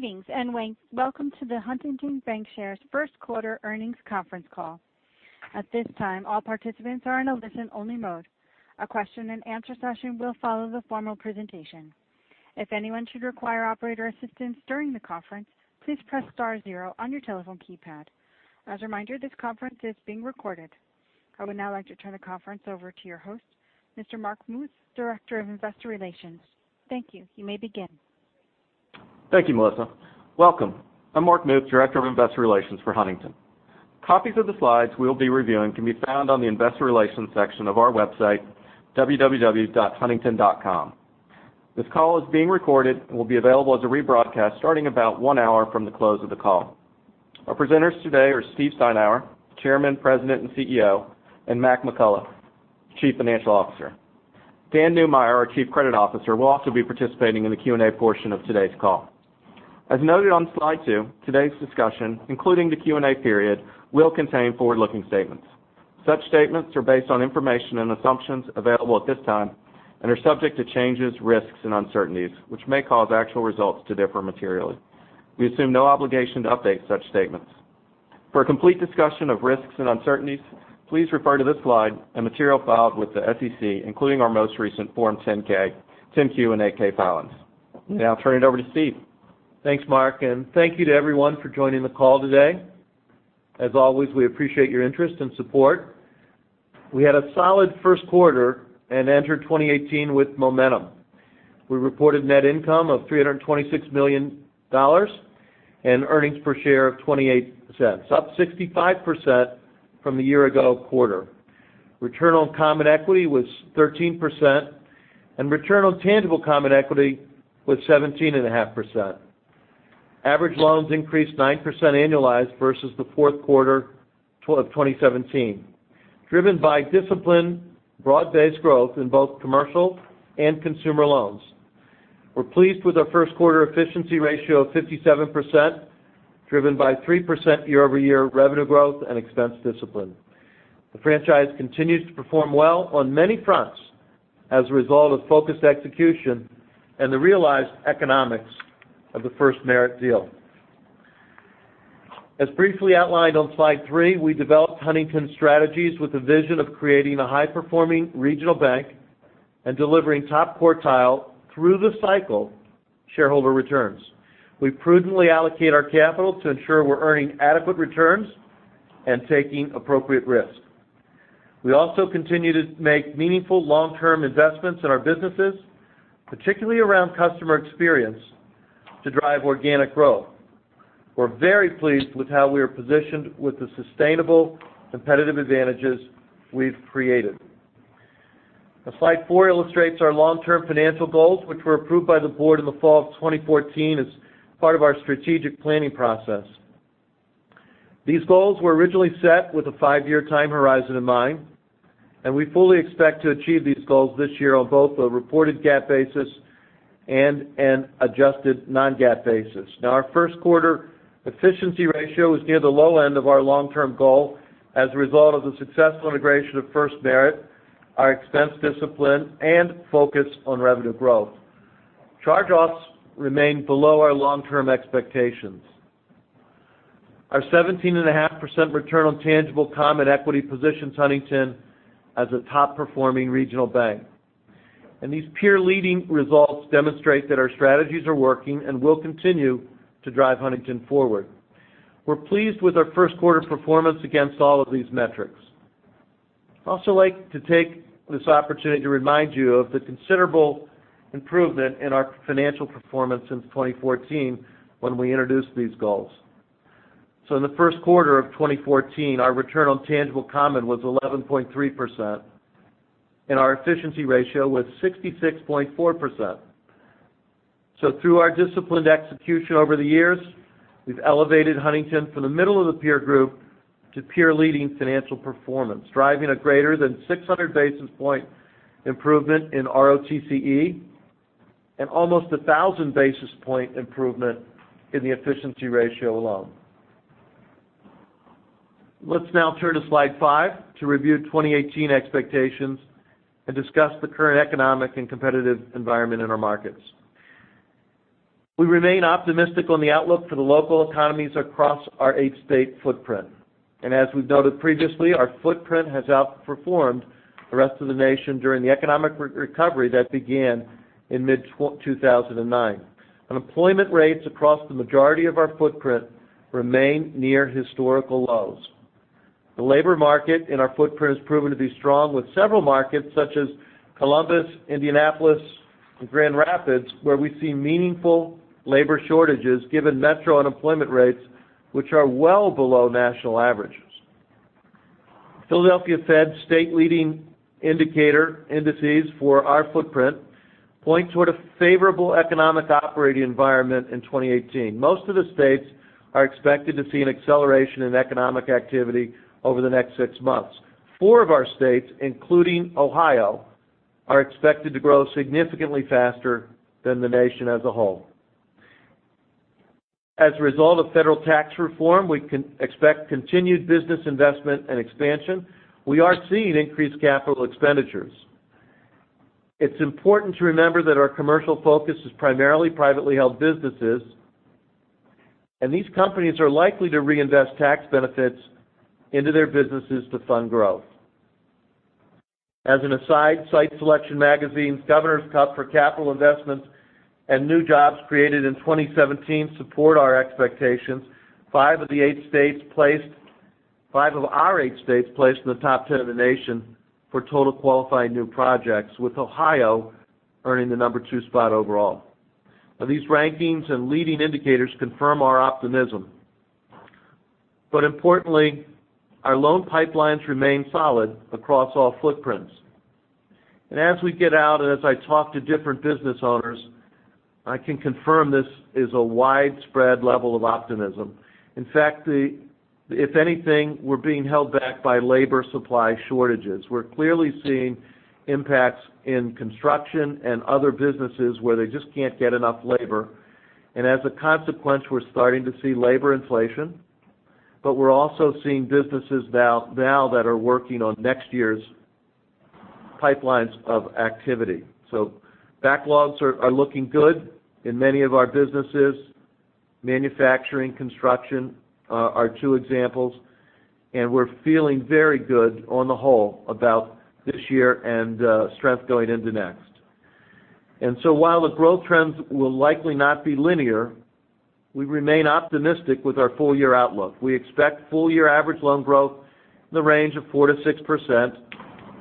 Greetings, and welcome to the Huntington Bancshares first quarter earnings conference call. At this time, all participants are in a listen-only mode. A question and answer session will follow the formal presentation. If anyone should require operator assistance during the conference, please press star zero on your telephone keypad. As a reminder, this conference is being recorded. I would now like to turn the conference over to your host, Mark Muth, Director of Investor Relations. Thank you. You may begin. Thank you, Melissa. Welcome. I'm Mark Muth, Director of Investor Relations for Huntington. Copies of the slides we'll be reviewing can be found on the investor relations section of our website, www.huntington.com. This call is being recorded and will be available as a rebroadcast starting about one hour from the close of the call. Our presenters today are Steve Steinour, Chairman, President, and CEO, and Mac McCullough, Chief Financial Officer. Dan Neumeyer, our Chief Credit Officer, will also be participating in the Q&A portion of today's call. As noted on slide two, today's discussion, including the Q&A period, will contain forward-looking statements. Such statements are based on information and assumptions available at this time and are subject to changes, risks, and uncertainties, which may cause actual results to differ materially. We assume no obligation to update such statements. For a complete discussion of risks and uncertainties, please refer to this slide and material filed with the SEC, including our most recent Form 10-K, 10-Q, and 8-K filings. Now I'll turn it over to Steve. Thanks, Mark, and thank you to everyone for joining the call today. As always, we appreciate your interest and support. We had a solid first quarter and entered 2018 with momentum. We reported net income of $326 million and earnings per share of $0.28, up 65% from the year-ago quarter. Return on common equity was 13%, and return on tangible common equity was 17.5%. Average loans increased 9% annualized versus the fourth quarter of 2017, driven by disciplined, broad-based growth in both commercial and consumer loans. We're pleased with our first quarter efficiency ratio of 57%, driven by 3% year-over-year revenue growth and expense discipline. The franchise continues to perform well on many fronts as a result of focused execution and the realized economics of the FirstMerit deal. As briefly outlined on slide 3, we developed Huntington's strategies with the vision of creating a high-performing regional bank and delivering top-quartile, through the cycle, shareholder returns. We prudently allocate our capital to ensure we're earning adequate returns and taking appropriate risks. We also continue to make meaningful long-term investments in our businesses, particularly around customer experience, to drive organic growth. We're very pleased with how we are positioned with the sustainable competitive advantages we've created. Slide 4 illustrates our long-term financial goals, which were approved by the board in the fall of 2014 as part of our strategic planning process. These goals were originally set with a 5-year time horizon in mind, and we fully expect to achieve these goals this year on both a reported GAAP basis and an adjusted non-GAAP basis. Our first quarter efficiency ratio is near the low end of our long-term goal as a result of the successful integration of FirstMerit, our expense discipline, and focus on revenue growth. Charge-offs remain below our long-term expectations. Our 17.5% return on tangible common equity positions Huntington as a top-performing regional bank, and these peer-leading results demonstrate that our strategies are working and will continue to drive Huntington forward. We're pleased with our first-quarter performance against all of these metrics. I'd also like to take this opportunity to remind you of the considerable improvement in our financial performance since 2014, when we introduced these goals. In the first quarter of 2014, our return on tangible common was 11.3%, and our efficiency ratio was 66.4%. Through our disciplined execution over the years, we've elevated Huntington from the middle of the peer group to peer-leading financial performance, driving a greater than 600 basis point improvement in ROTCE and almost 1,000 basis point improvement in the efficiency ratio alone. Let's now turn to slide 5 to review 2018 expectations and discuss the current economic and competitive environment in our markets. We remain optimistic on the outlook for the local economies across our 8-state footprint. As we've noted previously, our footprint has outperformed the rest of the nation during the economic recovery that began in mid-2009. Unemployment rates across the majority of our footprint remain near historical lows. The labor market in our footprint has proven to be strong with several markets such as Columbus, Indianapolis, and Grand Rapids, where we see meaningful labor shortages given metro unemployment rates, which are well below national averages. Philadelphia Fed's state leading indicator indices for our footprint point toward a favorable economic operating environment in 2018. Most of the states are expected to see an acceleration in economic activity over the next 6 months. Four of our states, including Ohio, are expected to grow significantly faster than the nation as a whole. As a result of federal tax reform, we can expect continued business investment and expansion. We are seeing increased capital expenditures. It's important to remember that our commercial focus is primarily privately held businesses, and these companies are likely to reinvest tax benefits into their businesses to fund growth. As an aside, Site Selection Magazine's Governor's Cup for capital investments and new jobs created in 2017 support our expectations. Five of our 8 states placed in the top 10 of the nation for total qualifying new projects, with Ohio earning the number 2 spot overall. These rankings and leading indicators confirm our optimism. Importantly, our loan pipelines remain solid across all footprints. As we get out and as I talk to different business owners, I can confirm this is a widespread level of optimism. In fact, if anything, we're being held back by labor supply shortages. We're clearly seeing impacts in construction and other businesses where they just can't get enough labor, and as a consequence, we're starting to see labor inflation. We're also seeing businesses now that are working on next year's pipelines of activity. Backlogs are looking good in many of our businesses. Manufacturing, construction are two examples, and we're feeling very good on the whole about this year and strength going into next. While the growth trends will likely not be linear, we remain optimistic with our full-year outlook. We expect full-year average loan growth in the range of 4%-6%,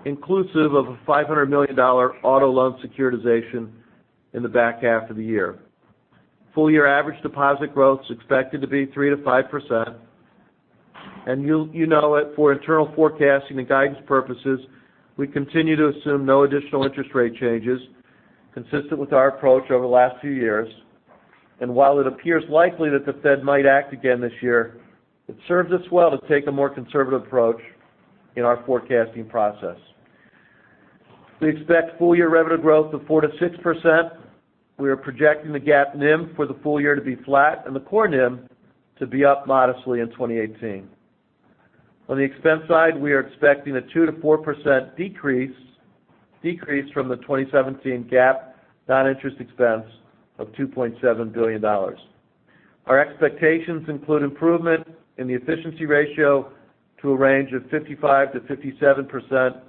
inclusive of a $500 million auto loan securitization in the back half of the year. Full-year average deposit growth is expected to be 3%-5%. You know it, for internal forecasting and guidance purposes, we continue to assume no additional interest rate changes, consistent with our approach over the last few years. While it appears likely that the Fed might act again this year, it serves us well to take a more conservative approach in our forecasting process. We expect full-year revenue growth of 4%-6%. We are projecting the GAAP NIM for the full year to be flat, and the core NIM to be up modestly in 2018. On the expense side, we are expecting a 2%-4% decrease from the 2017 GAAP non-interest expense of $2.7 billion. Our expectations include improvement in the efficiency ratio to a range of 55%-57%,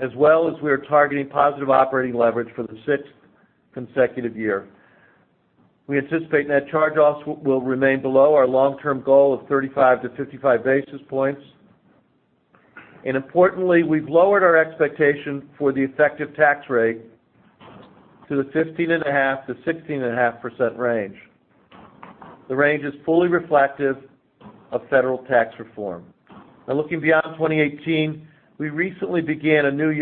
as well as we are targeting positive operating leverage for the sixth consecutive year. We anticipate net charge-offs will remain below our long-term goal of 35-55 basis points. Importantly, we've lowered our expectation for the effective tax rate to the 15.5%-16.5% range. The range is fully reflective of federal tax reform. Now looking beyond 2018, we recently began a new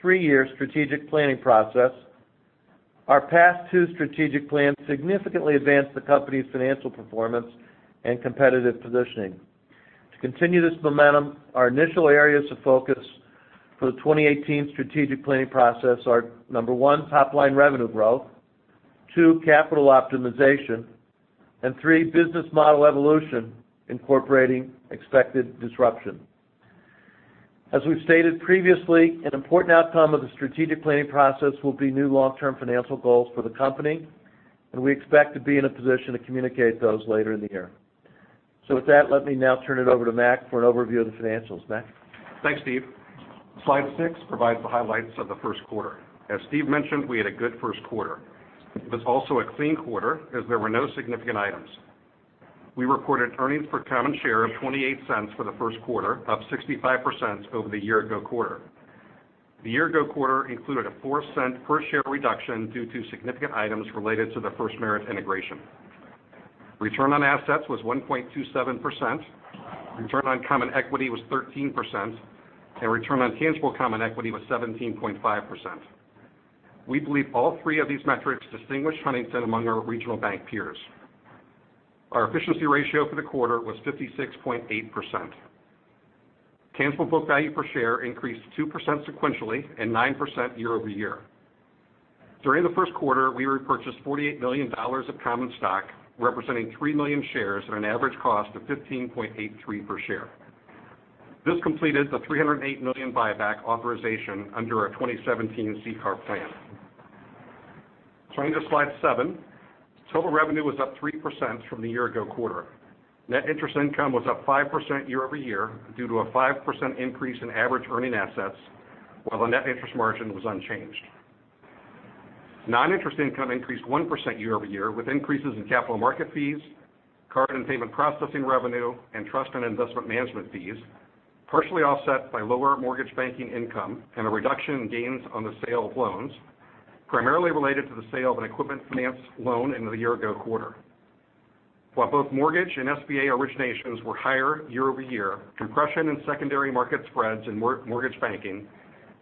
three-year strategic planning process. Our past two strategic plans significantly advanced the company's financial performance and competitive positioning. To continue this momentum, our initial areas of focus for the 2018 strategic planning process are, number 1, top-line revenue growth, 2, capital optimization, and 3, business model evolution incorporating expected disruption. As we've stated previously, an important outcome of the strategic planning process will be new long-term financial goals for the company, and we expect to be in a position to communicate those later in the year. With that, let me now turn it over to Mac for an overview of the financials. Mac? Thanks, Steve. Slide six provides the highlights of the first quarter. As Steve mentioned, we had a good first quarter. It was also a clean quarter as there were no significant items. We reported earnings per common share of $0.28 for the first quarter, up 65% over the year-ago quarter. The year-ago quarter included a $0.04 per share reduction due to significant items related to the FirstMerit integration. Return on assets was 1.27%, return on common equity was 13%, and return on tangible common equity was 17.5%. We believe all three of these metrics distinguish Huntington among our regional bank peers. Our efficiency ratio for the quarter was 56.8%. Tangible book value per share increased 2% sequentially and 9% year-over-year. During the first quarter, we repurchased $48 million of common stock, representing three million shares at an average cost of $15.83 per share. This completed the $308 million buyback authorization under our 2017 CCAR plan. Turning to Slide seven. Total revenue was up 3% from the year-ago quarter. Net interest income was up 5% year-over-year due to a 5% increase in average earning assets, while the net interest margin was unchanged. Non-interest income increased 1% year-over-year, with increases in capital market fees, card and payment processing revenue, and trust and investment management fees, partially offset by lower mortgage banking income and a reduction in gains on the sale of loans, primarily related to the sale of an equipment finance loan in the year-ago quarter. While both mortgage and SBA originations were higher year-over-year, compression in secondary market spreads in mortgage banking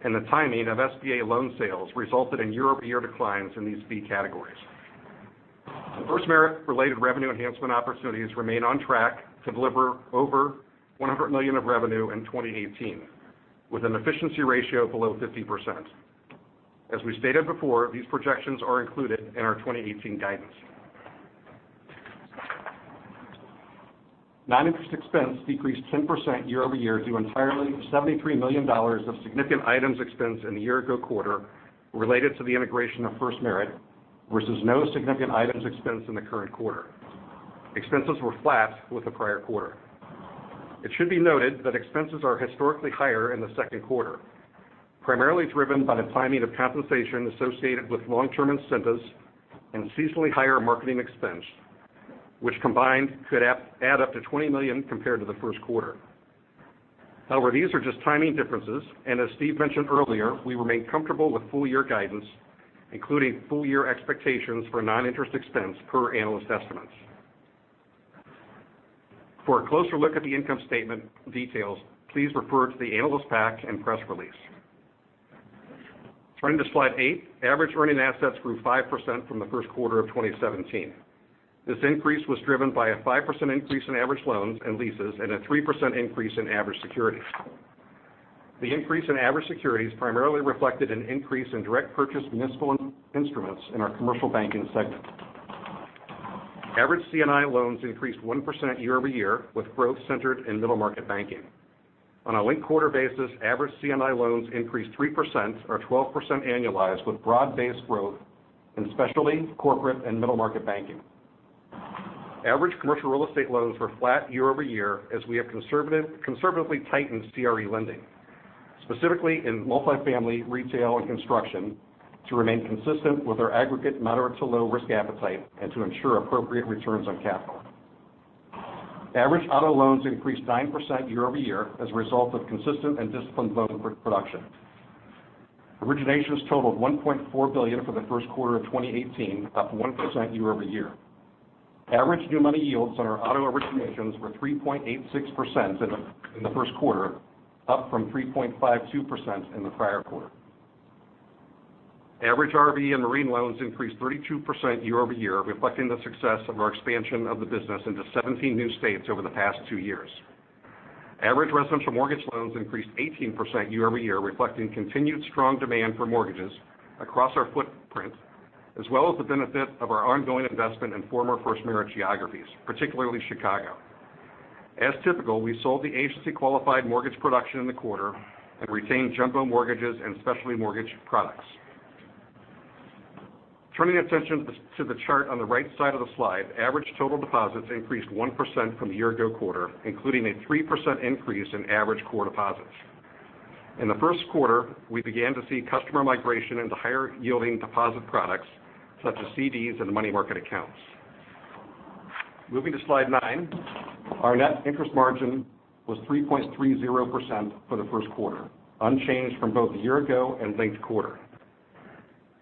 and the timing of SBA loan sales resulted in year-over-year declines in these fee categories. FirstMerit-related revenue enhancement opportunities remain on track to deliver over $100 million of revenue in 2018, with an efficiency ratio below 50%. As we stated before, these projections are included in our 2018 guidance. Non-interest expense decreased 10% year-over-year due entirely to $73 million of significant items expense in the year-ago quarter related to the integration of FirstMerit versus no significant items expense in the current quarter. Expenses were flat with the prior quarter. It should be noted that expenses are historically higher in the second quarter, primarily driven by the timing of compensation associated with long-term incentives and seasonally higher marketing expense, which combined could add up to $20 million compared to the first quarter. However, these are just timing differences, and as Steve mentioned earlier, we remain comfortable with full year guidance, including full year expectations for non-interest expense per analyst estimates. For a closer look at the income statement details, please refer to the analyst pack and press release. Turning to Slide eight. Average earning assets grew 5% from the first quarter of 2017. This increase was driven by a 5% increase in average loans and leases and a 3% increase in average securities. The increase in average securities primarily reflected an increase in direct purchase municipal instruments in our commercial banking segment. Average C&I loans increased 1% year-over-year, with growth centered in middle market banking. On a linked quarter basis, average C&I loans increased 3%, or 12% annualized, with broad-based growth in specialty, corporate, and middle market banking. Average commercial real estate loans were flat year-over-year as we have conservatively tightened CRE lending, specifically in multi-family, retail, and construction, to remain consistent with our aggregate moderate to low risk appetite and to ensure appropriate returns on capital. Average auto loans increased 9% year-over-year as a result of consistent and disciplined loan production. Originations totaled $1.4 billion for the first quarter of 2018, up 1% year-over-year. Average new money yields on our auto originations were 3.86% in the first quarter, up from 3.52% in the prior quarter. Average RV and marine loans increased 32% year-over-year, reflecting the success of our expansion of the business into 17 new states over the past two years. Average residential mortgage loans increased 18% year-over-year, reflecting continued strong demand for mortgages across our footprint, as well as the benefit of our ongoing investment in former FirstMerit geographies, particularly Chicago. As typical, we sold the agency-qualified mortgage production in the quarter and retained jumbo mortgages and specialty mortgage products. Turning attention to the chart on the right side of the slide. Average total deposits increased 1% from the year ago quarter, including a 3% increase in average core deposits. In the first quarter, we began to see customer migration into higher yielding deposit products such as CDs and money market accounts. Moving to Slide 9. Our net interest margin was 3.30% for the first quarter, unchanged from both the year ago and linked quarter.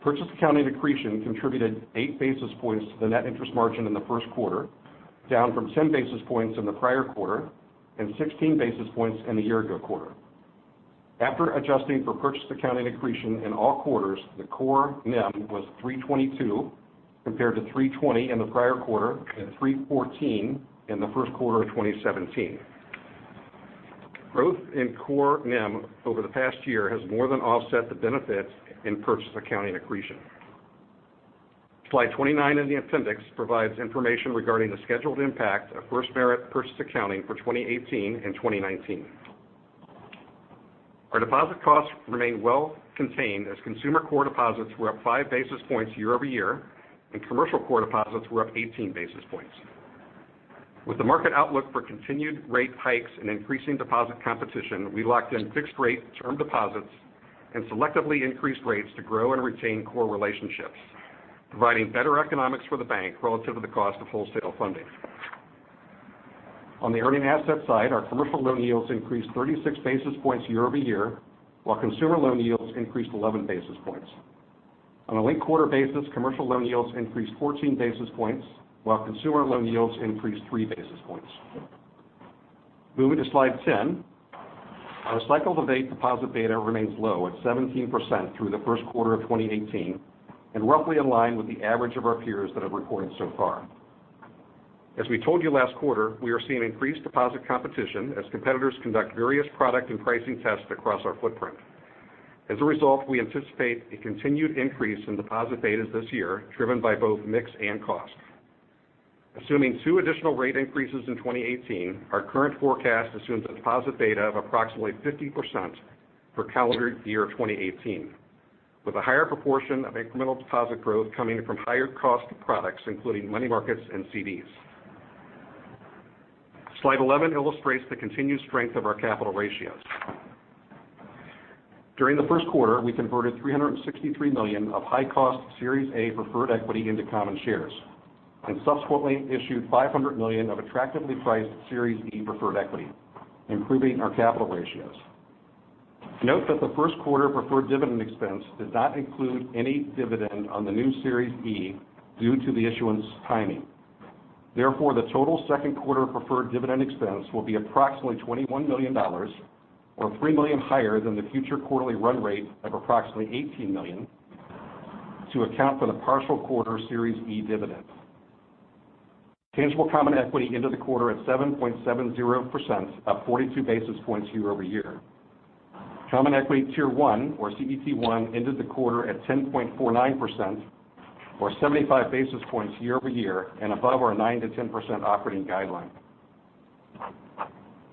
Purchase accounting accretion contributed eight basis points to the net interest margin in the first quarter, down from 10 basis points in the prior quarter and 16 basis points in the year ago quarter. After adjusting for purchase accounting accretion in all quarters, the core NIM was 322, compared to 320 in the prior quarter and 314 in the first quarter of 2017. Growth in core NIM over the past year has more than offset the benefits in purchase accounting accretion. Slide 29 in the appendix provides information regarding the scheduled impact of FirstMerit purchase accounting for 2018 and 2019. Our deposit costs remain well contained as consumer core deposits were up five basis points year-over-year, and commercial core deposits were up 18 basis points. With the market outlook for continued rate hikes and increasing deposit competition, we locked in fixed rate term deposits and selectively increased rates to grow and retain core relationships, providing better economics for the bank relative to the cost of wholesale funding. On the earning asset side, our commercial loan yields increased 36 basis points year-over-year, while consumer loan yields increased 11 basis points. On a linked quarter basis, commercial loan yields increased 14 basis points, while consumer loan yields increased three basis points. Moving to Slide 10. Our cycle-to-date deposit beta remains low at 17% through the first quarter of 2018 and roughly in line with the average of our peers that have reported so far. We told you last quarter, we are seeing increased deposit competition as competitors conduct various product and pricing tests across our footprint. As a result, we anticipate a continued increase in deposit betas this year, driven by both mix and cost. Assuming two additional rate increases in 2018, our current forecast assumes a deposit beta of approximately 50% for calendar year 2018, with a higher proportion of incremental deposit growth coming from higher cost products including money markets and CDs. Slide 11 illustrates the continued strength of our capital ratios. During the first quarter, we converted $363 million of high-cost Series A Preferred equity into common shares and subsequently issued $500 million of attractively priced Series E Preferred equity, improving our capital ratios. Note that the first quarter preferred dividend expense does not include any dividend on the new Series E due to the issuance timing. Therefore, the total second quarter preferred dividend expense will be approximately $21 million, or $3 million higher than the future quarterly run rate of approximately $18 million to account for the partial quarter Series E dividend. Tangible common equity into the quarter at 7.70%, up 42 basis points year-over-year. Common equity tier one, or CET1, ended the quarter at 10.49%, or 75 basis points year-over-year, and above our 9%-10% operating guideline.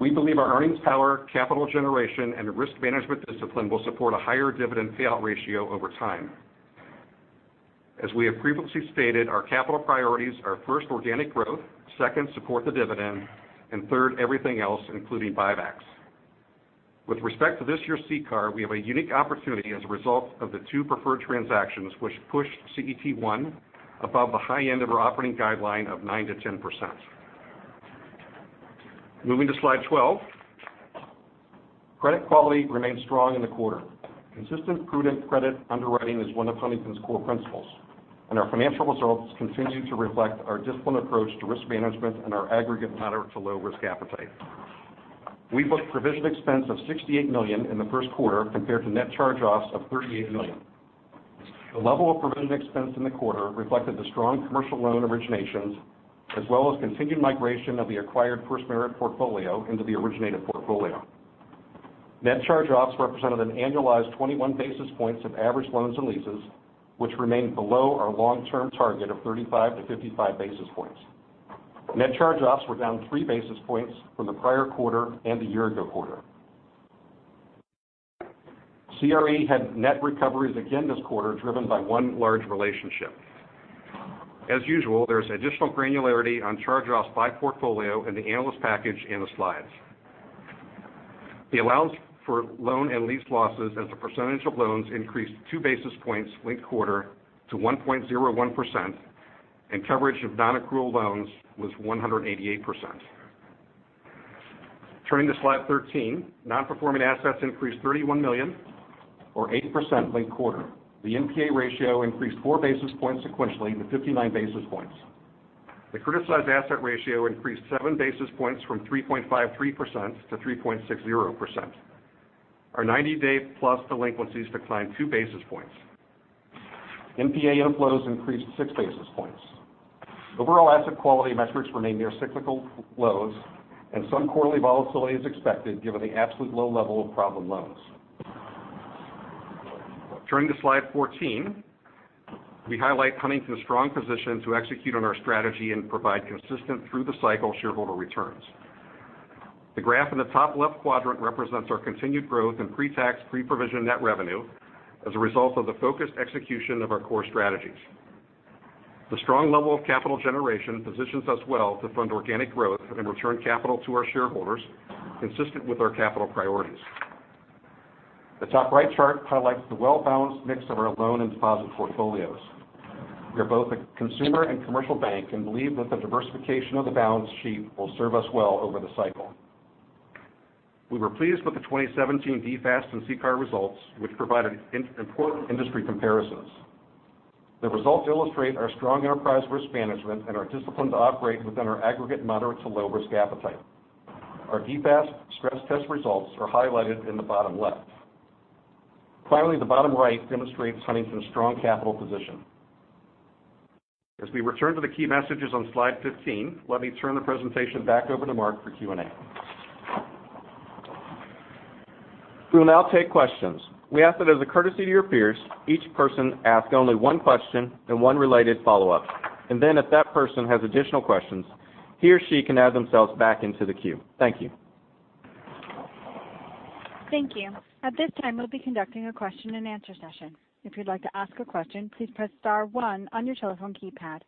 We believe our earnings power, capital generation, and risk management discipline will support a higher dividend payout ratio over time. As we have previously stated, our capital priorities are, first, organic growth, second, support the dividend, and third, everything else, including buybacks. With respect to this year's CCAR, we have a unique opportunity as a result of the two preferred transactions, which pushed CET1 above the high end of our operating guideline of 9%-10%. Moving to slide 12. Credit quality remained strong in the quarter. Consistent, prudent credit underwriting is one of Huntington's core principles, and our financial results continue to reflect our disciplined approach to risk management and our aggregate moderate-to-low risk appetite. We booked provision expense of $68 million in the first quarter compared to net charge-offs of $38 million. The level of provision expense in the quarter reflected the strong commercial loan originations, as well as continued migration of the acquired FirstMerit portfolio into the originated portfolio. Net charge-offs represented an annualized 21 basis points of average loans and leases, which remained below our long-term target of 35-55 basis points. Net charge-offs were down three basis points from the prior quarter and the year ago quarter. CRE had net recoveries again this quarter, driven by one large relationship. As usual, there is additional granularity on charge-offs by portfolio in the analyst package in the slides. The allowance for loan and lease losses as a percentage of loans increased two basis points linked-quarter to 1.01%, and coverage of nonaccrual loans was 188%. Turning to slide 13, non-performing assets increased $31 million, or 8%, linked-quarter. The NPA ratio increased four basis points sequentially to 59 basis points. The criticized asset ratio increased seven basis points from 3.53%-3.60%. Our 90-day plus delinquencies declined two basis points. NPA inflows increased six basis points. Overall asset quality metrics remain near cyclical lows, and some quarterly volatility is expected given the absolute low level of problem loans. Turning to slide 14, we highlight Huntington's strong position to execute on our strategy and provide consistent through-the-cycle shareholder returns. The graph in the top left quadrant represents our continued growth in pre-tax, pre-provision net revenue as a result of the focused execution of our core strategies. The strong level of capital generation positions us well to fund organic growth and return capital to our shareholders consistent with our capital priorities. The top right chart highlights the well-balanced mix of our loan and deposit portfolios. We are both a consumer and commercial bank and believe that the diversification of the balance sheet will serve us well over the cycle. We were pleased with the 2017 DFAST and CCAR results, which provided important industry comparisons. The results illustrate our strong enterprise risk management and our discipline to operate within our aggregate moderate-to-low risk appetite. Our DFAST stress test results are highlighted in the bottom left. Finally, the bottom right demonstrates Huntington's strong capital position. As we return to the key messages on slide 15, let me turn the presentation back over to Mark for Q&A. We will now take questions. We ask that as a courtesy to your peers, each person ask only one question and one related follow-up. If that person has additional questions, he or she can add themselves back into the queue. Thank you. Thank you. At this time, we'll be conducting a question and answer session. If you'd like to ask a question, please press star one on your telephone keypad.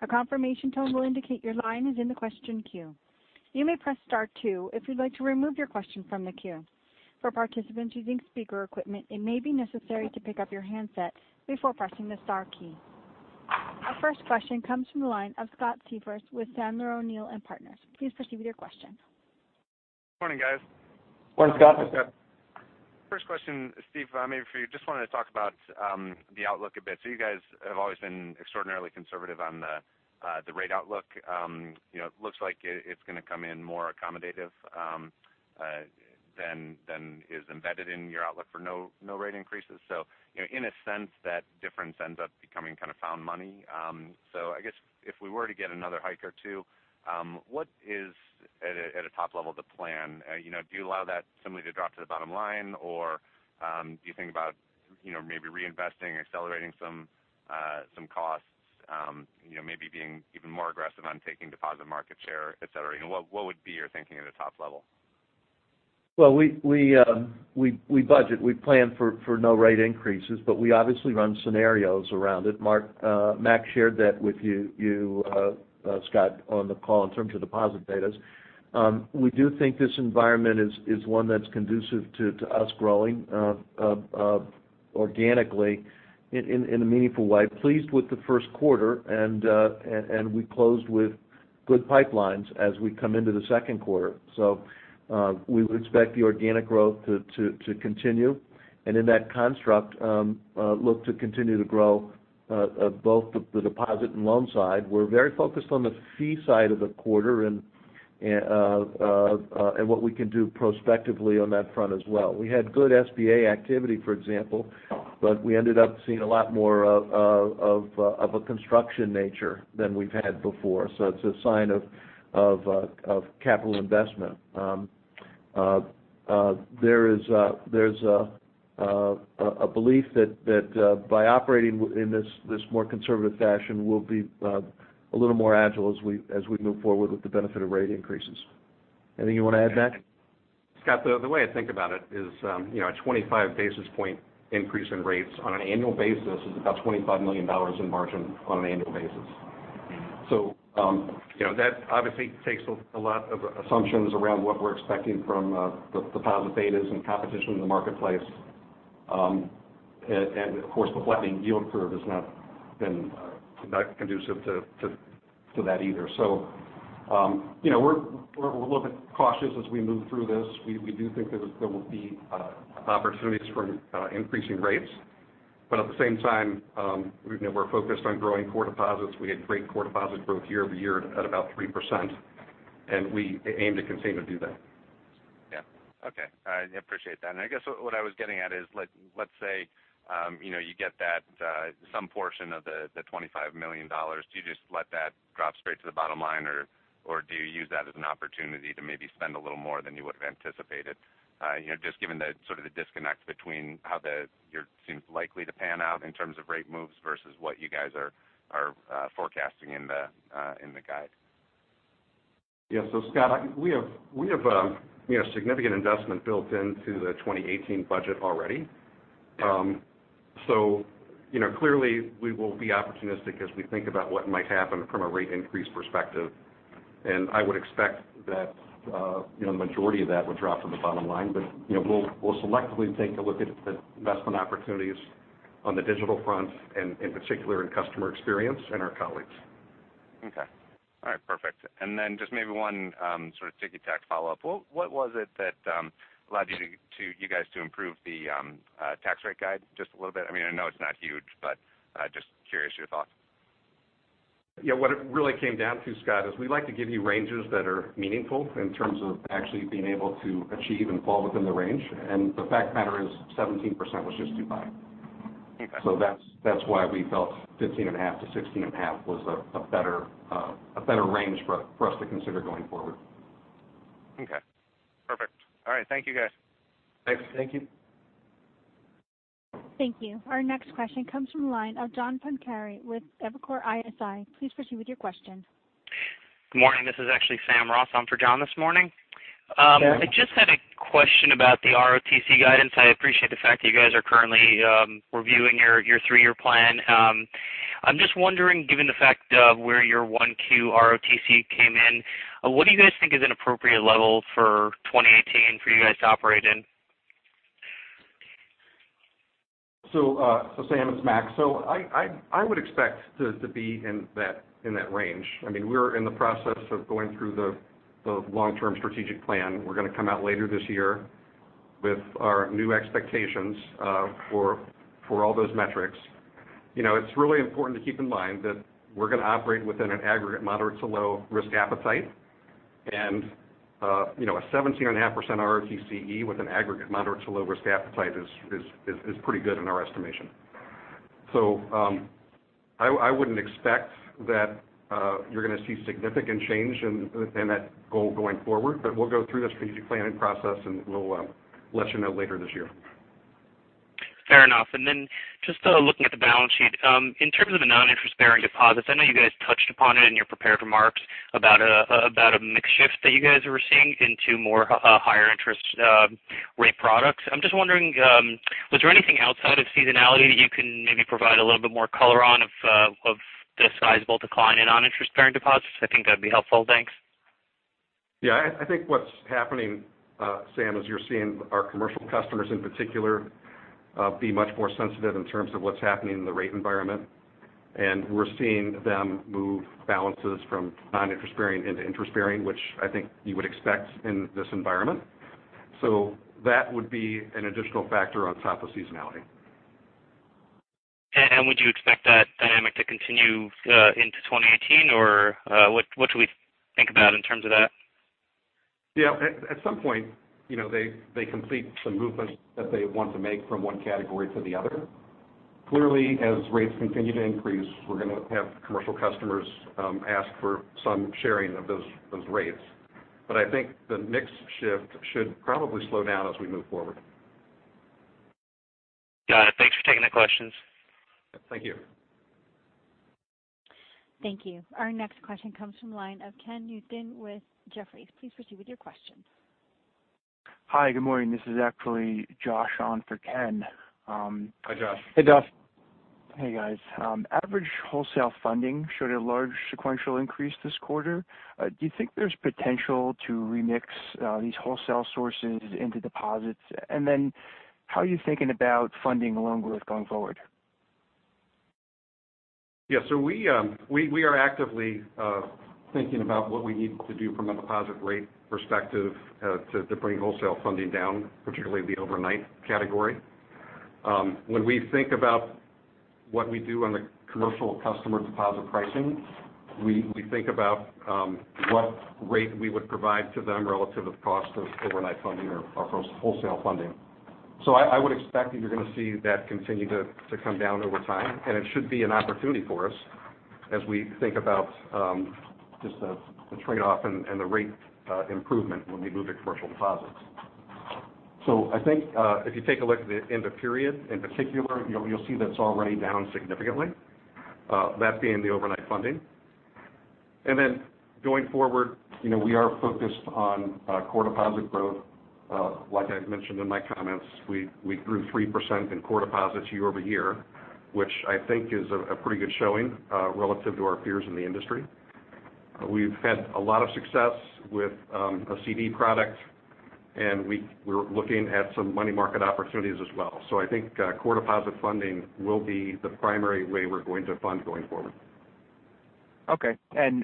A confirmation tone will indicate your line is in the question queue. You may press star two if you'd like to remove your question from the queue. For participants using speaker equipment, it may be necessary to pick up your handset before pressing the star key. Our first question comes from the line of Scott Siefers with Sandler O'Neill & Partners. Please proceed with your question. Good morning, guys. Morning, Scott. Morning, Scott. First question, Steve, maybe for you. Just wanted to talk about the outlook a bit. You guys have always been extraordinarily conservative on the rate outlook. It looks like it's going to come in more accommodative than is embedded in your outlook for no rate increases. In a sense, that difference ends up becoming found money. I guess if we were to get another hike or two, what is, at a top level, the plan? Do you allow that simply to drop to the bottom line, or do you think about maybe reinvesting, accelerating some costs, maybe being even more aggressive on taking deposit market share, et cetera? What would be your thinking at a top level? Well, we budget. We plan for no rate increases. We obviously run scenarios around it. Mac shared that with you, Scott, on the call in terms of deposit betas. We do think this environment is one that's conducive to us growing organically in a meaningful way. Pleased with the first quarter. We closed with good pipelines as we come into the second quarter. We would expect the organic growth to continue, in that construct, look to continue to grow both the deposit and loan side. We're very focused on the fee side of the quarter and what we can do prospectively on that front as well. We had good SBA activity, for example. We ended up seeing a lot more of a construction nature than we've had before. It's a sign of capital investment. There's a belief that by operating in this more conservative fashion, we'll be a little more agile as we move forward with the benefit of rate increases. Anything you want to add, Mac? Scott, the way I think about it is a 25 basis point increase in rates on an annual basis is about $25 million in margin on an annual basis. That obviously takes a lot of assumptions around what we're expecting from deposit betas and competition in the marketplace. Of course, the flattening yield curve has not been conducive to that either. We're a little bit cautious as we move through this. We do think there will be opportunities from increasing rates. At the same time, we're focused on growing core deposits. We had great core deposit growth year-over-year at about 3%, and we aim to continue to do that. Yeah. Okay. All right. I appreciate that. I guess what I was getting at is, let's say you get some portion of the $25 million. Do you just let that drop straight to the bottom line, or do you use that as an opportunity to maybe spend a little more than you would've anticipated? Just given the sort of the disconnect between how you're likely to pan out in terms of rate moves versus what you guys are forecasting in the guide. Scott, we have significant investment built into the 2018 budget already. Clearly, we will be opportunistic as we think about what might happen from a rate increase perspective. I would expect that the majority of that would drop to the bottom line. We'll selectively take a look at investment opportunities on the digital front and in particular in customer experience and our colleagues. Okay. All right, perfect. Then just maybe one sort of ticky-tack follow-up. What was it that allowed you guys to improve the tax rate guide just a little bit? I know it's not huge, but just curious your thoughts. What it really came down to, Scott, is we like to give you ranges that are meaningful in terms of actually being able to achieve and fall within the range. The fact of the matter is 17% was just too high. Okay. That's why we felt 15.5%-16.5% was a better range for us to consider going forward. Okay. Perfect. All right. Thank you guys. Thanks. Thank you. Thank you. Our next question comes from the line of John Pancari with Evercore ISI. Please proceed with your question. Good morning. This is actually Sam Ross on for John this morning. Sam. I just had a question about the ROTCE guidance. I appreciate the fact that you guys are currently reviewing your three-year plan. I'm just wondering, given the fact of where your 1Q ROTCE came in, what do you guys think is an appropriate level for 2018 for you guys to operate in? Sam, it's Mac. I would expect to be in that range. We're in the process of going through the long-term strategic plan. We're going to come out later this year with our new expectations for all those metrics. It's really important to keep in mind that we're going to operate within an aggregate moderate-to-low risk appetite. A 17.5% ROTCE with an aggregate moderate to low risk appetite is pretty good in our estimation. I wouldn't expect that you're going to see significant change in that goal going forward. We'll go through the strategic planning process, and we'll let you know later this year. Fair enough. Then just looking at the balance sheet, in terms of the non-interest-bearing deposits, I know you guys touched upon it in your prepared remarks about a mix shift that you guys were seeing into more higher interest rate products. I'm just wondering, was there anything outside of seasonality that you can maybe provide a little bit more color on of the sizable decline in non-interest-bearing deposits? I think that'd be helpful. Thanks. Yeah. I think what's happening, Sam, is you're seeing our commercial customers in particular be much more sensitive in terms of what's happening in the rate environment. We're seeing them move balances from non-interest-bearing into interest-bearing, which I think you would expect in this environment. That would be an additional factor on top of seasonality. Would you expect that dynamic to continue into 2018, or what should we think about in terms of that? Yeah. At some point, they complete the movement that they want to make from one category to the other. Clearly, as rates continue to increase, we're going to have commercial customers ask for some sharing of those rates. I think the mix shift should probably slow down as we move forward. Got it. Thanks for taking the questions. Thank you. Thank you. Our next question comes from the line of Ken Usdin with Jefferies. Please proceed with your question. Hi. Good morning. This is actually Josh on for Ken. Hi, Josh. Hey, Josh. Hey, guys. Average wholesale funding showed a large sequential increase this quarter. Do you think there's potential to remix these wholesale sources into deposits? How are you thinking about funding loan growth going forward? Yeah. We are actively thinking about what we need to do from a deposit rate perspective to bring wholesale funding down, particularly the overnight category. When we think about what we do on the commercial customer deposit pricing, we think about what rate we would provide to them relative of cost of overnight funding or cost of wholesale funding. I would expect that you're going to see that continue to come down over time, and it should be an opportunity for us as we think about just the trade-off and the rate improvement when we move to commercial deposits. I think if you take a look at the end of period, in particular, you'll see that's already down significantly, that being the overnight funding. Going forward, we are focused on core deposit growth. Like I mentioned in my comments, we grew 3% in core deposits year-over-year, which I think is a pretty good showing relative to our peers in the industry. We've had a lot of success with a CD product, and we're looking at some money market opportunities as well. I think core deposit funding will be the primary way we're going to fund going forward. Okay.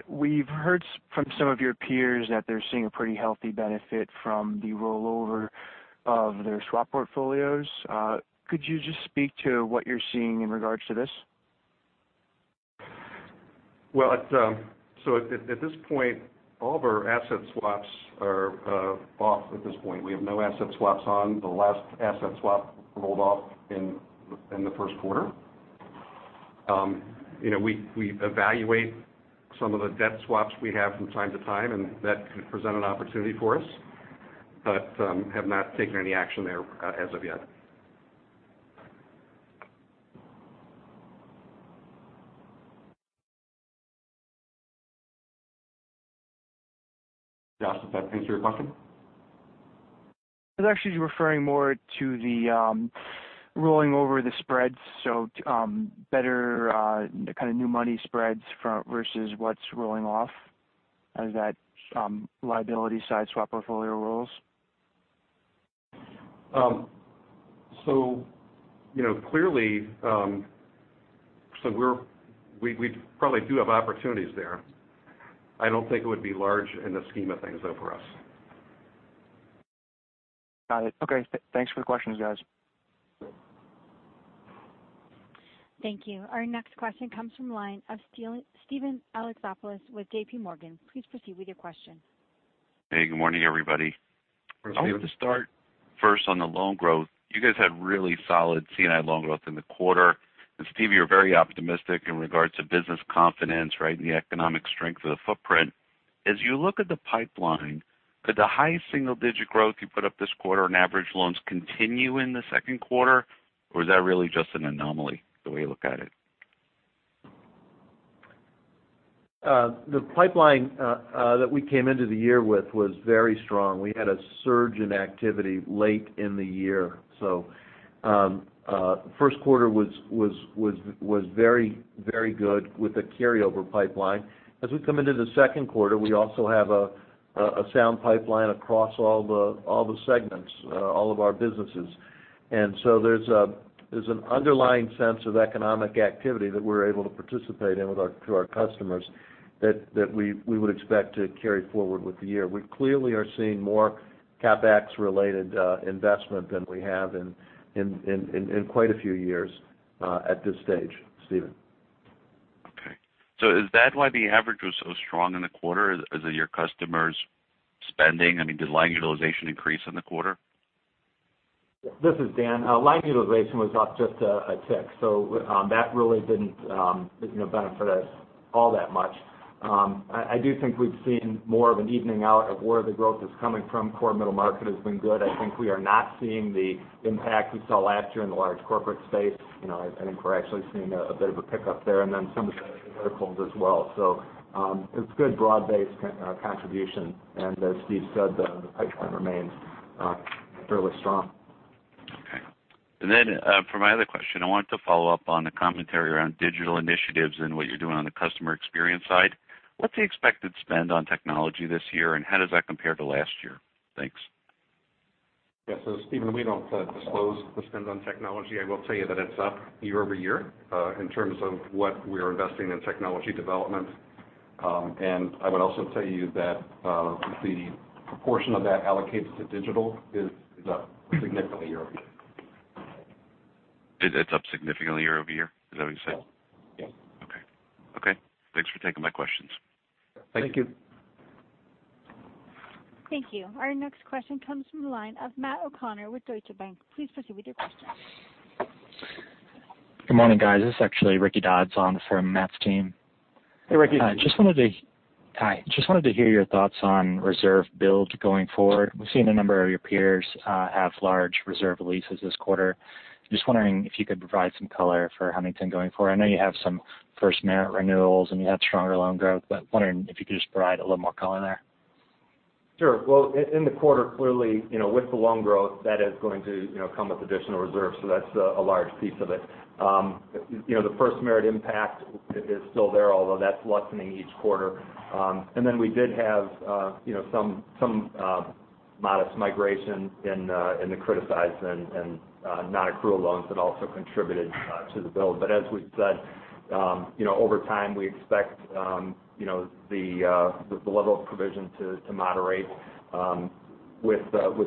We've heard from some of your peers that they're seeing a pretty healthy benefit from the rollover of their swap portfolios. Could you just speak to what you're seeing in regards to this? Well, at this point, all of our asset swaps are off at this point. We have no asset swaps on. The last asset swap rolled off in the first quarter. We evaluate some of the debt swaps we have from time to time, that could present an opportunity for us, have not taken any action there as of yet. Josh, does that answer your question? I was actually referring more to the rolling over the spreads, better kind of new money spreads versus what's rolling off as that liability side swap portfolio rolls. Clearly, we probably do have opportunities there. I don't think it would be large in the scheme of things, though, for us. Got it. Okay. Thanks for the questions, guys. Thank you. Our next question comes from the line of Steven Alexopoulos with JPMorgan. Please proceed with your question. Hey, good morning, everybody. Steven. I want to start first on the loan growth. You guys had really solid C&I loan growth in the quarter. Steve, you're very optimistic in regards to business confidence, right, and the economic strength of the footprint. As you look at the pipeline, could the high single-digit growth you put up this quarter on average loans continue in the second quarter? Is that really just an anomaly the way you look at it? The pipeline that we came into the year with was very strong. We had a surge in activity late in the year. The first quarter was very good with the carryover pipeline. As we come into the second quarter, we also have a sound pipeline across all the segments, all of our businesses. There's an underlying sense of economic activity that we're able to participate in to our customers that we would expect to carry forward with the year. We clearly are seeing more CapEx related investment than we have in quite a few years at this stage, Steven. Okay. Is that why the average was so strong in the quarter? Is it your customers spending? I mean, did line utilization increase in the quarter? This is Dan. Line utilization was up just a tick. That really didn't benefit us all that much. I do think we've seen more of an evening out of where the growth is coming from. Core middle market has been good. I think we are not seeing the impact we saw last year in the large corporate space. I think we're actually seeing a bit of a pickup there and then some of the other verticals as well. It's good broad-based contribution. As Steve said, the pipeline remains fairly strong. Okay. For my other question, I wanted to follow up on the commentary around digital initiatives and what you're doing on the customer experience side. What's the expected spend on technology this year, and how does that compare to last year? Thanks. Yeah. Steven, we don't disclose the spend on technology. I will tell you that it's up year-over-year in terms of what we're investing in technology development. I would also tell you that the proportion of that allocated to digital is up significantly year-over-year. It's up significantly year-over-year? Is that what you said? Yes. Okay. Thanks for taking my questions. Thank you. Thank you. Our next question comes from the line of Matt O'Connor with Deutsche Bank. Please proceed with your question. Good morning, guys. This is actually Ricky Dodds on from Matt O'Connor's team. Hey, Ricky. Hi. Just wanted to hear your thoughts on reserve build going forward. We've seen a number of your peers have large reserve releases this quarter. Just wondering if you could provide some color for Huntington going forward. I know you have some FirstMerit renewals, and you have stronger loan growth, but wondering if you could just provide a little more color there. Sure. Well, in the quarter, clearly, with the loan growth, that is going to come with additional reserves. That's a large piece of it. The FirstMerit impact is still there, although that's lessening each quarter. We did have some modest migration in the criticized and non-accrual loans that also contributed to the build. As we've said, over time, we expect the level of provision to moderate with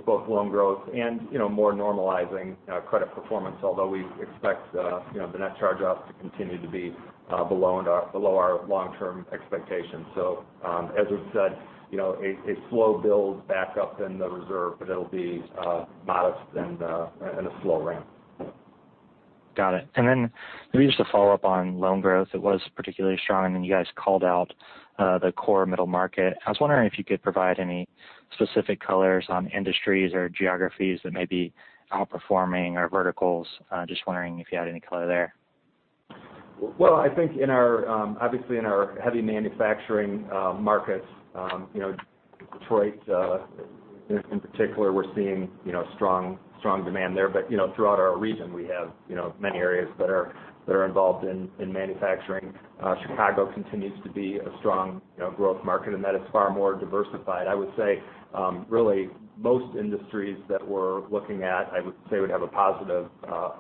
both loan growth and more normalizing credit performance. Although we expect the net charge-offs to continue to be below our long-term expectations. As we've said, a slow build back up in the reserve, but it'll be modest and a slow ramp. Got it. Then maybe just to follow up on loan growth, it was particularly strong, and you guys called out the core middle market. I was wondering if you could provide any specific colors on industries or geographies that may be outperforming or verticals. Just wondering if you had any color there. Well, I think obviously in our heavy manufacturing markets, Detroit in particular, we're seeing strong demand there. Throughout our region, we have many areas that are involved in manufacturing. Chicago continues to be a strong growth market, and that is far more diversified. I would say really most industries that we're looking at, I would say would have a positive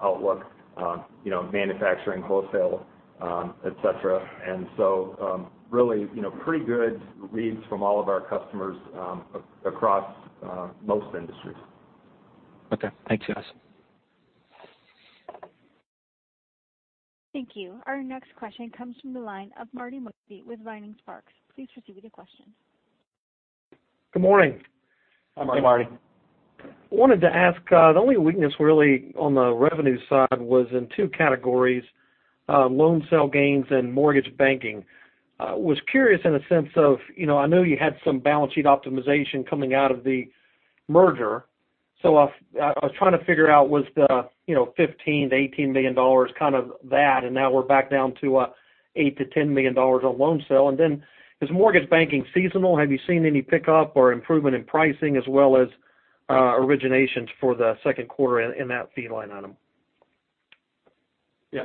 outlook on manufacturing, wholesale, et cetera. Really pretty good reads from all of our customers across most industries. Okay. Thanks, guys. Thank you. Our next question comes from the line of Marty Mosby with Vining Sparks. Please proceed with your question. Good morning. Hi, Marty. Hey, Marty. I wanted to ask, the only weakness really on the revenue side was in two categories: loan sale gains and mortgage banking. Was curious in a sense of, I know you had some balance sheet optimization coming out of the merger. I was trying to figure out was the $15 million-$18 million kind of that, and now we're back down to $8 million-$10 million on loan sale. Is mortgage banking seasonal? Have you seen any pickup or improvement in pricing as well as originations for the second quarter in that fee line item?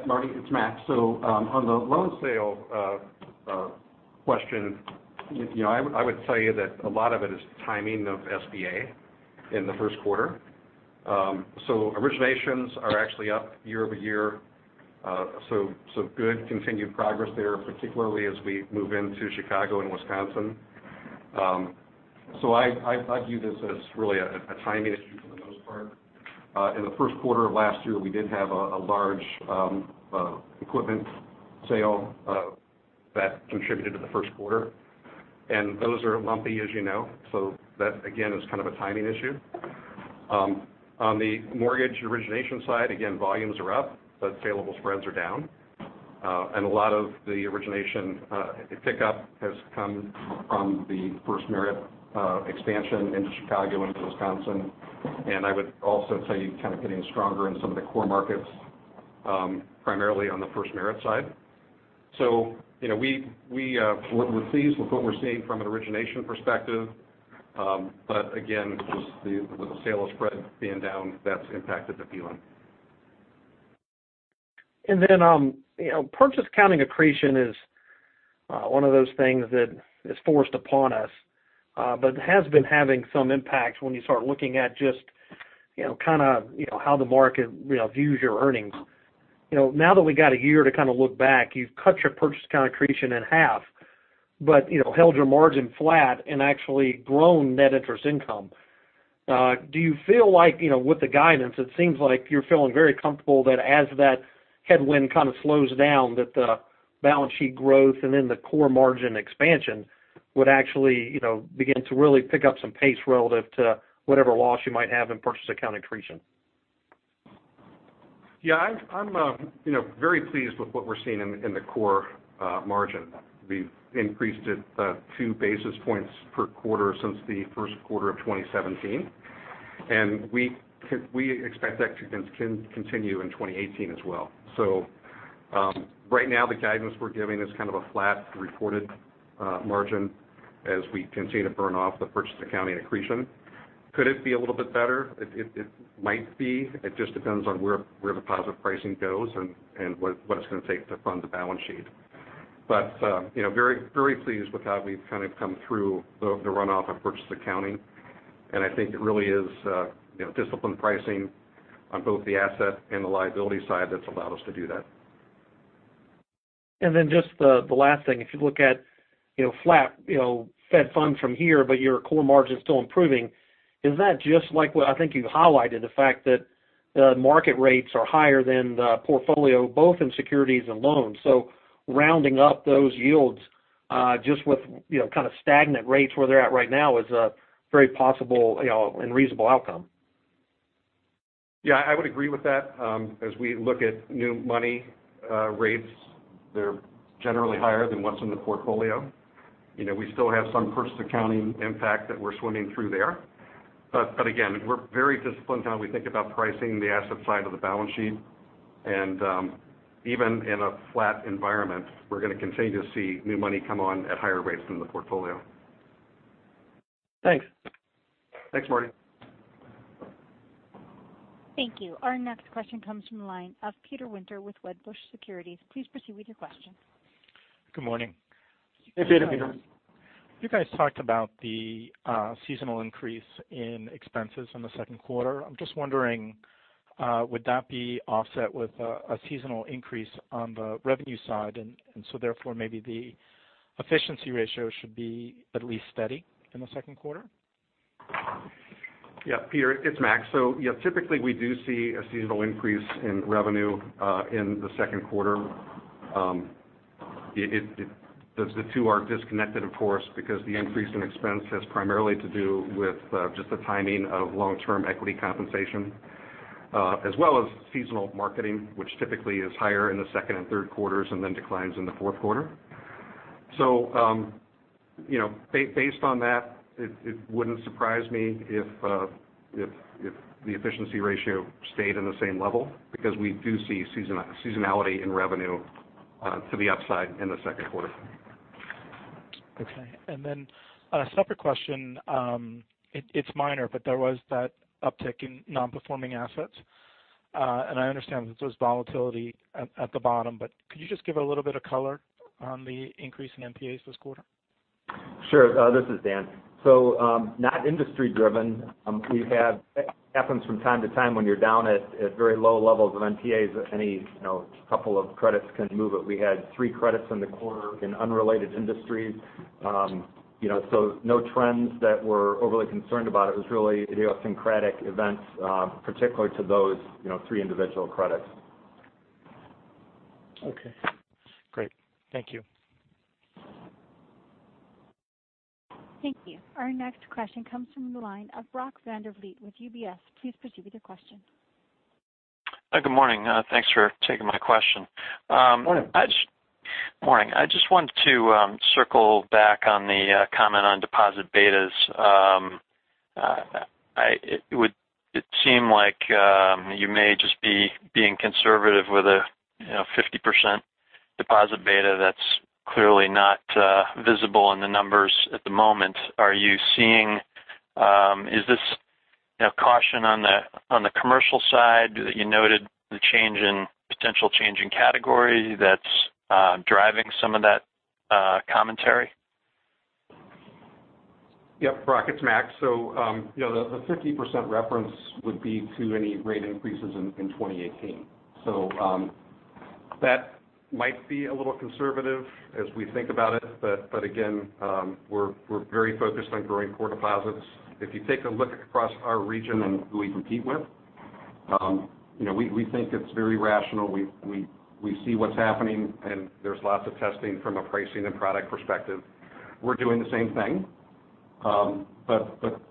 Marty, it's Mac. On the loan sale question, I would say that a lot of it is timing of SBA in the first quarter. Originations are actually up year-over-year. Good continued progress there, particularly as we move into Chicago and Wisconsin. I view this as really a timing issue for the most part. In the first quarter of last year, we did have a large equipment sale that contributed to the first quarter. Those are lumpy, as you know. That again, is kind of a timing issue. On the mortgage origination side, again, volumes are up, but saleable spreads are down. A lot of the origination pickup has come from the FirstMerit expansion into Chicago and into Wisconsin. I would also say kind of getting stronger in some of the core markets, primarily on the FirstMerit side. We're pleased with what we're seeing from an origination perspective. Again, just with the sale of spreads being down, that's impacted the fee line. Purchase accounting accretion is one of those things that is forced upon us but has been having some impact when you start looking at just how the market views your earnings. Now that we got a year to kind of look back, you've cut your purchase accounting accretion in half, but held your margin flat and actually grown net interest income. Do you feel like with the guidance, it seems like you're feeling very comfortable that as that headwind kind of slows down, that the balance sheet growth and then the core margin expansion would actually begin to really pick up some pace relative to whatever loss you might have in purchase accounting accretion? I'm very pleased with what we're seeing in the core margin. We've increased it two basis points per quarter since the first quarter of 2017. We expect that to continue in 2018 as well. Right now, the guidance we're giving is kind of a flat reported margin as we continue to burn off the purchase accounting accretion. Could it be a little bit better? It might be. It just depends on where the positive pricing goes and what it's going to take to fund the balance sheet. Very pleased with how we've kind of come through the runoff of purchase accounting. I think it really is disciplined pricing on both the asset and the liability side that's allowed us to do that. Just the last thing, if you look at flat Fed funds from here, but your core margin's still improving, is that just like what I think you highlighted, the fact that the market rates are higher than the portfolio, both in securities and loans. Rounding up those yields just with kind of stagnant rates where they're at right now is a very possible and reasonable outcome. Yeah, I would agree with that. As we look at new money rates, they're generally higher than what's in the portfolio. We still have some purchase accounting impact that we're swimming through there. Again, we're very disciplined how we think about pricing the asset side of the balance sheet. Even in a flat environment, we're going to continue to see new money come on at higher rates than the portfolio. Thanks. Thanks, Marty. Thank you. Our next question comes from the line of Peter Winter with Wedbush Securities. Please proceed with your question. Good morning. Hey, Peter. You guys talked about the seasonal increase in expenses in the second quarter. I'm just wondering, would that be offset with a seasonal increase on the revenue side, and so therefore, maybe the efficiency ratio should be at least steady in the second quarter? Yeah, Peter, it's Mac. Yeah, typically we do see a seasonal increase in revenue in the second quarter. The two are disconnected, of course, because the increase in expense has primarily to do with just the timing of long-term equity compensation as well as seasonal marketing, which typically is higher in the second and third quarters and then declines in the fourth quarter. Based on that, it wouldn't surprise me if the efficiency ratio stayed in the same level, because we do see seasonality in revenue to the upside in the second quarter. Okay. A separate question. It's minor, but there was that uptick in non-performing assets. I understand that there's volatility at the bottom, but could you just give a little bit of color on the increase in NPAs this quarter? Sure. This is Dan. Not industry-driven. It happens from time to time when you're down at very low levels of NPAs, any couple of credits can move it. We had three credits in the quarter in unrelated industries. No trends that we're overly concerned about. It was really idiosyncratic events particular to those three individual credits. Okay, great. Thank you. Thank you. Our next question comes from the line of Brock Vandervliet with UBS. Please proceed with your question. Good morning. Thanks for taking my question. Morning. Morning. I just wanted to circle back on the comment on deposit betas. It seemed like you may just be being conservative with a 50% deposit beta that's clearly not visible in the numbers at the moment. Is this caution on the commercial side that you noted the potential change in category that's driving some of that commentary? Yep, Brock, it's Mac. The 50% reference would be to any rate increases in 2018. That might be a little conservative as we think about it. Again, we're very focused on growing core deposits. If you take a look across our region and who we compete with, we think it's very rational. We see what's happening, and there's lots of testing from a pricing and product perspective. We're doing the same thing.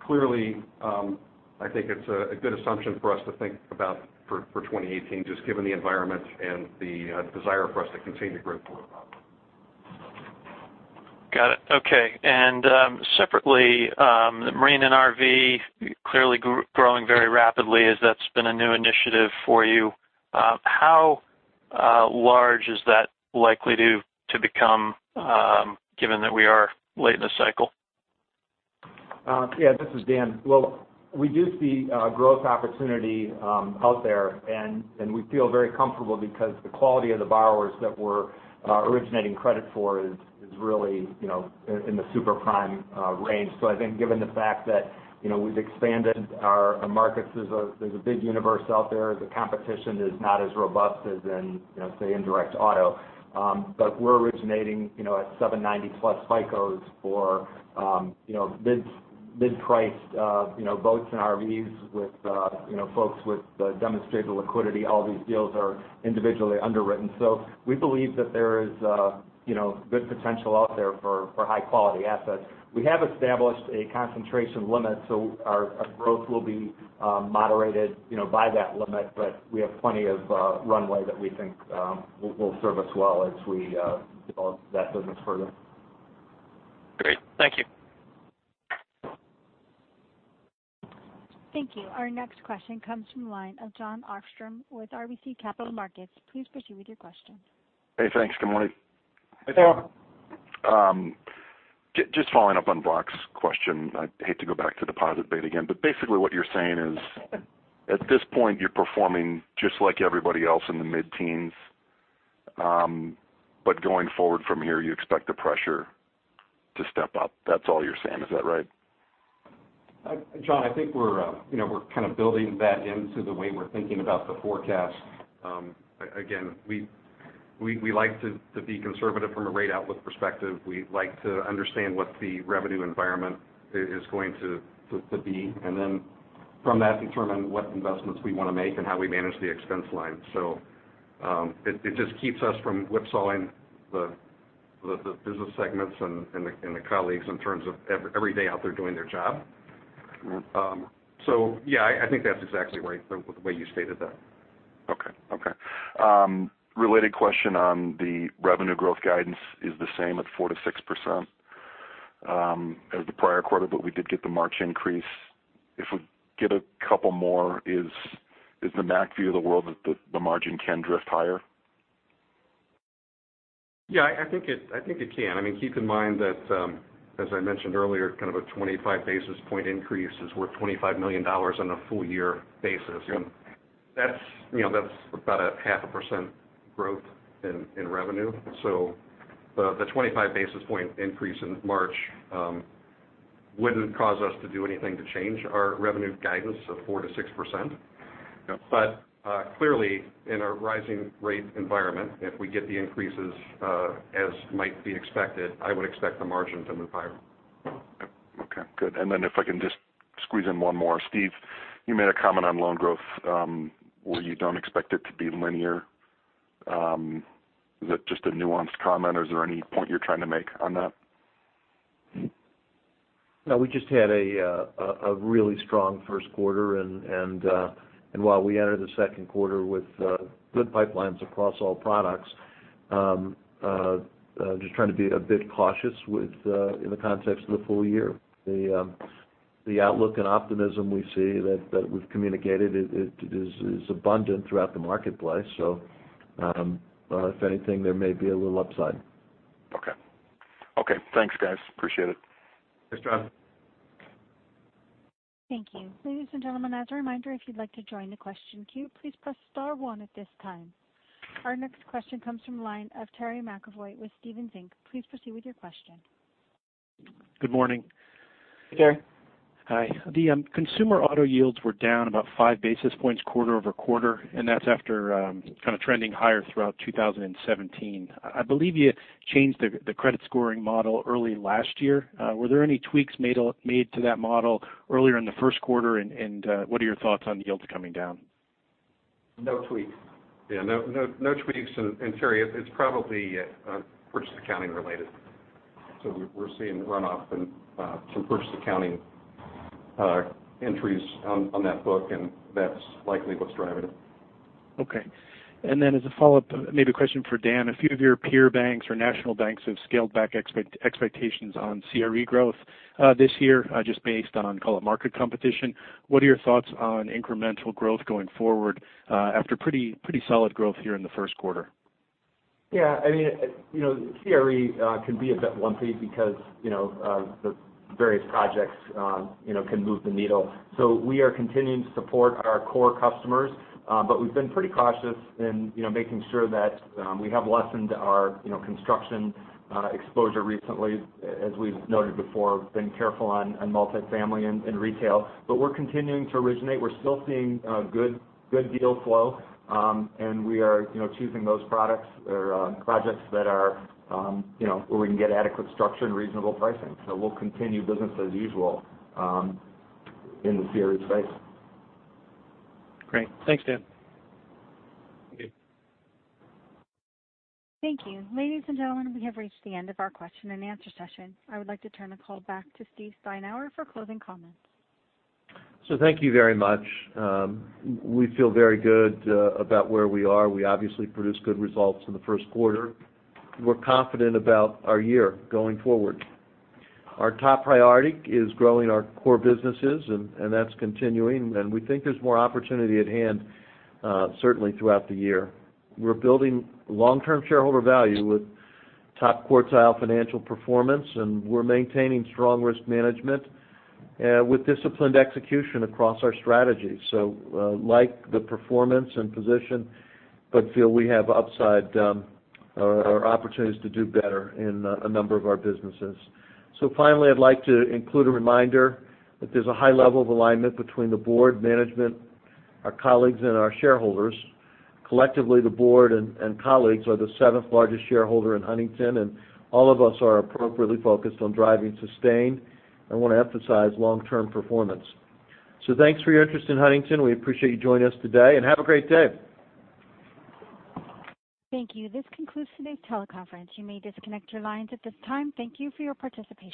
Clearly, I think it's a good assumption for us to think about for 2018, just given the environment and the desire for us to continue to grow core deposits. Got it. Okay. Separately, marine and RV clearly growing very rapidly as that's been a new initiative for you. How large is that likely to become given that we are late in the cycle? This is Dan. We do see growth opportunity out there, and we feel very comfortable because the quality of the borrowers that we're originating credit for is really in the super prime range. I think given the fact that we've expanded our markets, there's a big universe out there. The competition is not as robust as in, say, indirect auto. We're originating at 790-plus FICO's for mid-priced boats and RVs with folks with demonstrable liquidity. All these deals are individually underwritten. We believe that there is good potential out there for high-quality assets. We have established a concentration limit, so our growth will be moderated by that limit. We have plenty of runway that we think will serve us well as we develop that business further. Great. Thank you. Thank you. Our next question comes from the line of Jon Arfstrom with RBC Capital Markets. Please proceed with your question. Thanks. Good morning. Hey, Jon. Just following up on Brock's question. I hate to go back to deposit beta again, basically what you're saying is, at this point, you're performing just like everybody else in the mid-teens. Going forward from here, you expect the pressure to step up. That's all you're saying. Is that right? Jon, I think we're kind of building that into the way we're thinking about the forecast. Again, we like to be conservative from a rate outlook perspective. We like to understand what the revenue environment is going to be, then from that determine what investments we want to make and how we manage the expense line. It just keeps us from whipsawing the business segments and the colleagues in terms of every day out there doing their job. Yeah, I think that's exactly right the way you stated that. Okay. Related question on the revenue growth guidance is the same at 4%-6% as the prior quarter. We did get the March increase. If we get a couple more, is the Mac view of the world that the margin can drift higher? Yeah, I mean, keep in mind that, as I mentioned earlier, kind of a 25-basis point increase is worth $25 million on a full-year basis. Yeah. That's about a half a percent growth in revenue. The 25-basis point increase in March wouldn't cause us to do anything to change our revenue guidance of 4%-6%. Yeah. Clearly, in a rising rate environment, if we get the increases as might be expected, I would expect the margin to move higher. Good. Then if I can just squeeze in one more. Steve, you made a comment on loan growth, where you don't expect it to be linear. Is that just a nuanced comment or is there any point you're trying to make on that? No, we just had a really strong first quarter and while we enter the second quarter with good pipelines across all products, just trying to be a bit cautious in the context of the full year. The outlook and optimism we see that we've communicated is abundant throughout the marketplace. If anything, there may be a little upside. Okay. Thanks, guys. Appreciate it. Thanks, Jon. Thank you. Ladies and gentlemen, as a reminder, if you'd like to join the question queue, please press star one at this time. Our next question comes from the line of Terry McEvoy with Stephens Inc. Please proceed with your question. Good morning. Hey, Terry. Hi. The consumer auto yields were down about five basis points quarter-over-quarter, and that's after kind of trending higher throughout 2017. I believe you changed the credit scoring model early last year. Were there any tweaks made to that model earlier in the first quarter, and what are your thoughts on yields coming down? No tweaks. Yeah, no tweaks. Terry, it's probably purchase accounting related. We're seeing runoff and some purchase accounting entries on that book, and that's likely what's driving it. Okay. As a follow-up, maybe a question for Dan. A few of your peer banks or national banks have scaled back expectations on CRE growth this year, just based on, call it, market competition. What are your thoughts on incremental growth going forward after pretty solid growth here in the first quarter? Yeah. CRE can be a bit lumpy because the various projects can move the needle. We are continuing to support our core customers, but we've been pretty cautious in making sure that we have lessened our construction exposure recently. As we've noted before, been careful on multifamily and retail. We're continuing to originate. We're still seeing good deal flow. We are choosing those products or projects where we can get adequate structure and reasonable pricing. We'll continue business as usual in the CRE space. Great. Thanks, Dan. Okay. Thank you. Ladies and gentlemen, we have reached the end of our question-and-answer session. I would like to turn the call back to Steve Steinour for closing comments. Thank you very much. We feel very good about where we are. We obviously produced good results in the first quarter. We're confident about our year going forward. Our top priority is growing our core businesses, and that's continuing, and we think there's more opportunity at hand, certainly throughout the year. We're building long-term shareholder value with top-quartile financial performance, and we're maintaining strong risk management with disciplined execution across our strategy. Like the performance and position, but feel we have upside or opportunities to do better in a number of our businesses. Finally, I'd like to include a reminder that there's a high level of alignment between the board, management, our colleagues, and our shareholders. Collectively, the board and colleagues are the seventh largest shareholder in Huntington, and all of us are appropriately focused on driving sustained, I want to emphasize, long-term performance. Thanks for your interest in Huntington. We appreciate you joining us today, and have a great day. Thank you. This concludes today's teleconference. You may disconnect your lines at this time. Thank you for your participation.